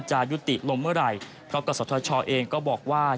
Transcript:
จะยุติลงเมื่อไหร่เพราะกศธชเองก็บอกว่า